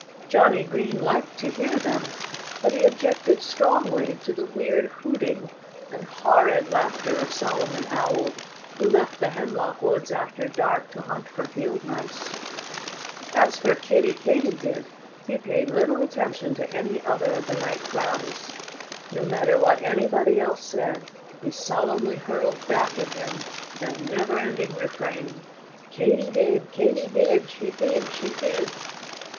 Johnnie Green liked to hear them. But he objected strongly to the weird hooting and horrid laughter of Solomon Owl, who left the hemlock woods after dark to hunt for field mice. As for Kiddie Katydid, he paid little attention to any other of the night cries. No matter what anybody else said, he solemnly hurled back at him that neverending refrain, _Katy did, Katy did; she did, she did!